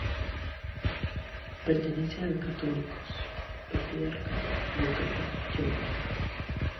Pertenece al Catolicós Patriarca de toda Georgia.